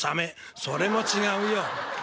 「それも違うよ。